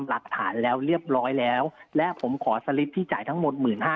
หลักฐานแล้วเรียบร้อยแล้วและผมขอสลิปที่จ่ายทั้งหมด๑๕๐๐